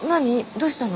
どうしたの？